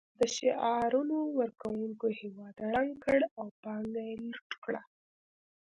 د شعارونو ورکونکو هېواد ړنګ کړ او پانګه یې لوټ کړه